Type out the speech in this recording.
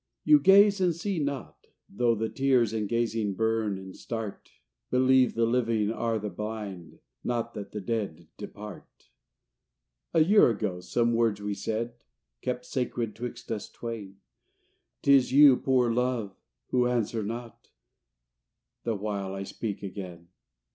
You gaze and see not, though the tears In gazing burn and start. Believe, the living are the blind, Not that the dead depart. A year ago some words we said Kept sacred 'twixt us twain, 'T is you, poor Love, who answer not, The while I speak again.